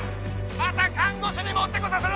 また看護師に持ってこさせろ！